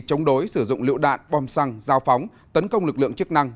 chống đối sử dụng lựu đạn bom xăng giao phóng tấn công lực lượng chức năng